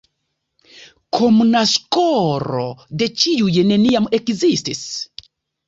Komuna skolo de ĉiuj neniam ekzistis.